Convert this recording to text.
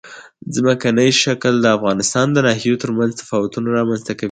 ځمکنی شکل د افغانستان د ناحیو ترمنځ تفاوتونه رامنځ ته کوي.